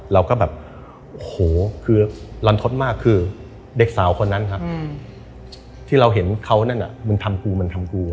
เราก็แบบโอ้โหคือรันทดมากคือเด็กสาวคนนั้นครับที่เราเห็นเขานั่นน่ะมึงทำกูมันทำกู